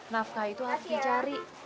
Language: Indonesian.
napka itu arti cari